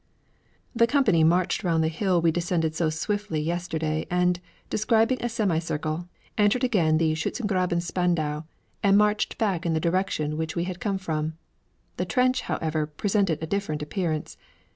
The company marched round the hill we descended so swiftly yesterday and, describing a semi circle, entered again the Schützengraben Spandau and marched back in the direction we had come from. The trench, however, presented a different appearance.